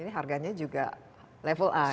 jadi harganya juga level a ya